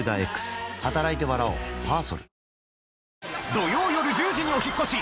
土曜よる１０時にお引っ越し！